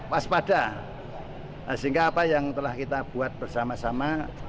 waspada sehingga apa yang telah kita buat bersama sama